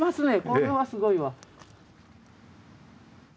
これはすごいわ。